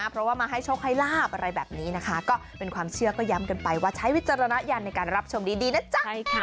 เพราะว่ามาให้โชคให้ลาบอะไรแบบนี้นะคะก็เป็นความเชื่อก็ย้ำกันไปว่าใช้วิจารณญาณในการรับชมดีนะจ๊ะ